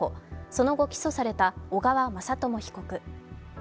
その後、起訴された小川雅朝被告。